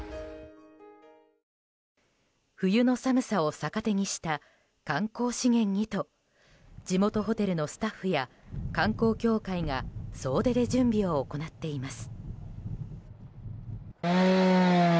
冬の寒さを逆手にした観光資源にと地元ホテルのスタッフらや観光協会が総出で準備を行っています。